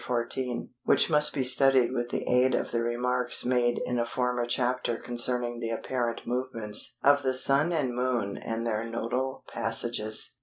14 which must be studied with the aid of the remarks made in a former chapter concerning the apparent movements of the Sun and Moon and their nodal passages.